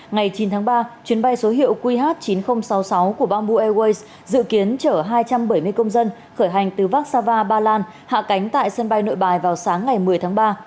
ngày chín tháng ba chuyến bay số hiệu qh chín nghìn sáu mươi sáu của bamboo airways dự kiến chở hai trăm bảy mươi công dân khởi hành từ vác sava ba lan hạ cánh tại sân bay nội bài vào sáng ngày một mươi tháng ba